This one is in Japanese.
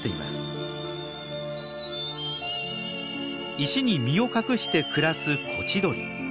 石に身を隠して暮らすコチドリ。